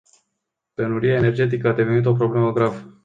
Penuria energetică a devenit o problemă gravă.